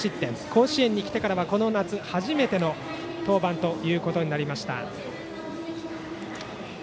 甲子園に来てからはこの夏初めての登板となりました。